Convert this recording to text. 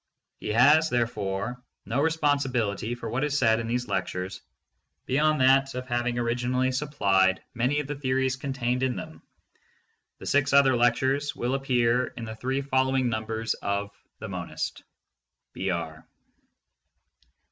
He has there fore no responsibility for what is said in these lectures beyond that of having originally supplied many of the theories contained in them. The six other lectures will appear in the three following numbers of The Monist. — B.